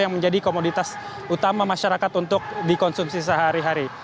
yang menjadi komoditas utama masyarakat untuk dikonsumsi sehari hari